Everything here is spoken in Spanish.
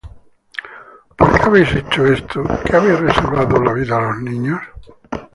¿Por qué habéis hecho esto, que habéis reservado la vida á los niños?